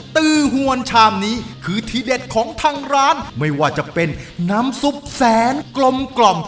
ตือหวนชามนี้คือทีเด็ดของทางร้านไม่ว่าจะเป็นน้ำซุปแสนกลมกล่อม